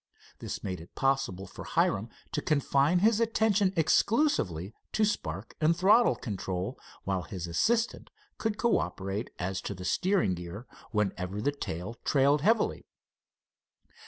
This made it possible for Hiram to confine his attention exclusively to spark and throttle control, while his assistant could cooperate as to the steering gear whenever the tail trailed heavily.